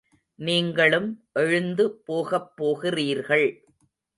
நீங்களும் எழுந்து போகப் போகிறீர்கள்.